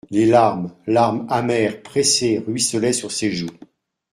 Les larmes, larmes amères, pressées, ruisselaient sur ses joues.